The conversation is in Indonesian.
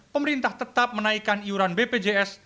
pemerintah tetap menaikkan iuran bpjs